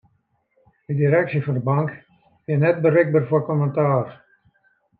De direksje fan 'e bank wie net berikber foar kommentaar.